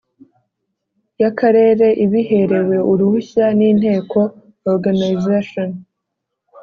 y Akarere ibiherewe uruhushya n inteko organization